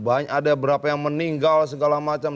ada berapa yang meninggal segala macam